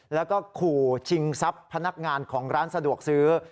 แล้วก็ขู่ชิงทรัพย์พนักงานของร้านสะดวกซื้อ